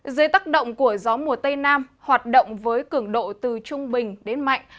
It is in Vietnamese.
dưới tác động của gió mùa tây nam hoạt động với cường độ từ trung bình đến mạnh